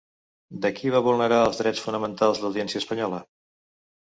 De qui va vulnerar els drets fonamentals l'Audiència espanyola?